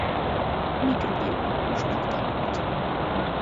Mikrobiológusnak tanult.